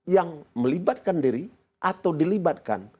yang melibatkan diri atau dilibatkan